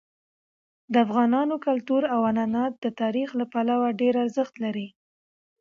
د افغانانو کلتور او عنعنات د تاریخ له پلوه ډېر ارزښت لري.